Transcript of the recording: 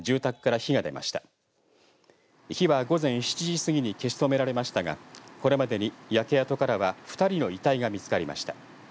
火は午前７時過ぎに消し止められましたがこれまでに焼け跡からは２人の遺体が見つかりました。